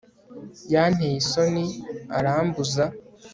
yanteye isoni, arambuza